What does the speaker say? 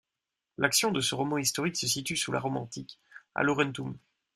L'action de ce roman historique se situe sous la Rome antique, à Laurentum.